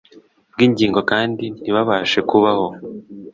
bw’ingingo kandi ntibabashe kubaho.